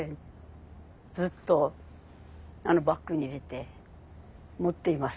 ずっとバッグに入れて持っています。